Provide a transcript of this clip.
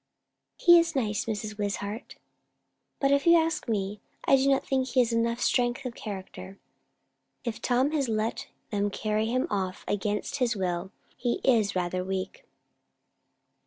"He is nice, Mrs. Wishart. But if you ask me, I do not think he has enough strength of character." "If Tom has let them carry him off against his will, he is rather weak."